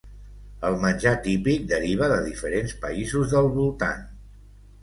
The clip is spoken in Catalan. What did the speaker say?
El menjar típic deriva de diferents països del voltant.